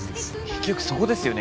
結局そこですよね